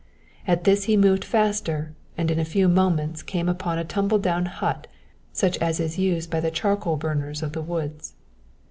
At this he moved faster, and in a few moments came upon a tumble down hut such as is used by the charcoal burners of the woods.